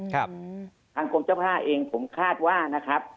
ทางกรมเจ้าท่าเองผมคาดว่านะครับ